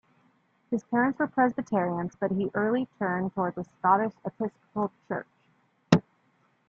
His parents were Presbyterians but he early turned towards the Scottish Episcopal Church.